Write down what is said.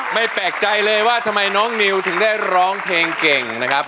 แปลกใจเลยว่าทำไมน้องนิวถึงได้ร้องเพลงเก่งนะครับ